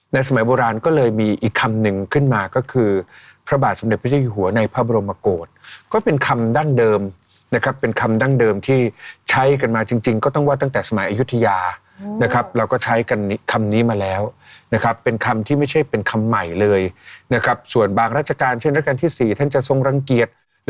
สมัยโบราณก็เลยมีอีกคำหนึ่งขึ้นมาก็คือพระบาทสมเด็จพระเจ้าอยู่หัวในพระบรมโกรธก็เป็นคำดั้งเดิมนะครับเป็นคำดั้งเดิมที่ใช้กันมาจริงก็ต้องว่าตั้งแต่สมัยอายุทยานะครับเราก็ใช้กันคำนี้มาแล้วนะครับเป็นคำที่ไม่ใช่เป็นคำใหม่เลยนะครับส่วนบางราชการเช่นราชการที่๔ท่านจะทรงรังเกียจ